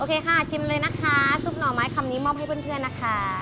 ค่ะชิมเลยนะคะซุปหน่อไม้คำนี้มอบให้เพื่อนนะคะ